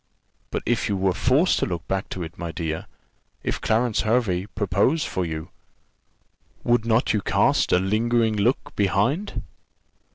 "But if you were forced to look back to it, my dear, if Clarence Hervey proposed for you, would not you cast a lingering look behind?"